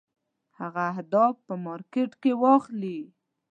هغه اهداف په مارکېټ کې واخلي.